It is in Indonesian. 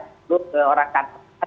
terbentuk ke orang kantor